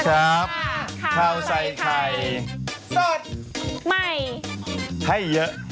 เขาบอกว่าอโศกวันนี้ติดแบบ